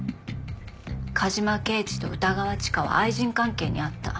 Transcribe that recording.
「梶間刑事と歌川チカは愛人関係にあった」。